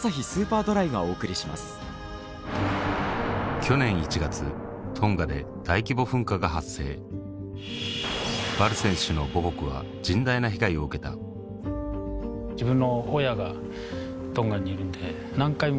去年１月トンガで大規模噴火が発生ヴァル選手の母国は甚大な被害を受けた自分の。